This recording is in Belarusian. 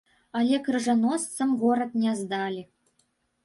Але крыжаносцам горад не здалі.